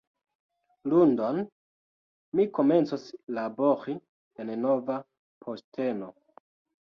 Lundon, mi komencos labori en nova posteno